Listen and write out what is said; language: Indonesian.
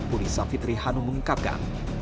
purisa fitrihanu mengungkapkan